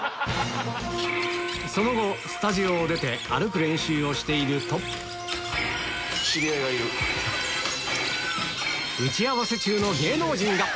その後スタジオを出て歩く練習をしていると打ち合わせ中の芸能人が！